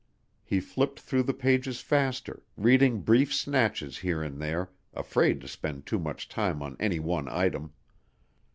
He flipped through the pages faster, reading brief snatches here and there, afraid to spend too much time on any one item.